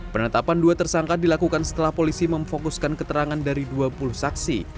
penetapan dua tersangka dilakukan setelah polisi memfokuskan keterangan dari dua puluh saksi